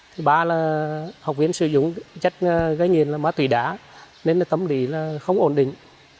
thứ ba là học viên sử dụng chất gây nghiện là ma túy đá nên tâm lý là không ổn định